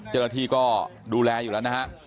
เจ้าหน้าที่ก็ดูแลอยู่แล้วนะฮะ